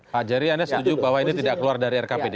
pak jerry anda setuju bahwa ini tidak keluar dari rkpd